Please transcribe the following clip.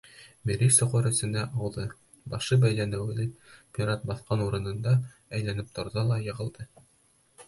Мерри соҡор эсенә ауҙы, башы бәйләүле пират баҫҡан урынында әйләнеп торҙо ла йығылды.